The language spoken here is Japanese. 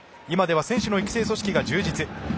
選手の育成組織が充実。